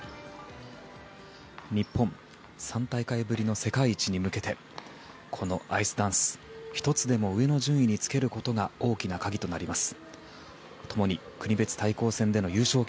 日本３大会ぶりの世界一に向けてこのアイスダンス、１つでも上の順位につけることが大きな鍵となります。